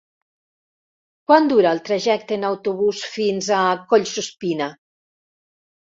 Quant dura el trajecte en autobús fins a Collsuspina?